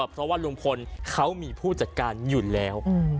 เพราะว่าลุงพลเขามีผู้จัดการอยู่แล้ว